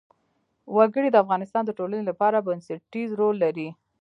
وګړي د افغانستان د ټولنې لپاره بنسټيز رول لري.